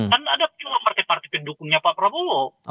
kan ada peluang partai partai pendukungnya pak prabowo